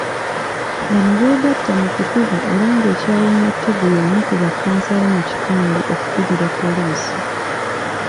Bano beegatta mu kukuba era ng'ekyawonya Tegu y'omu ku bakkansala mu kitundu okukubira poliisi.